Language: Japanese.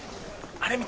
あれ！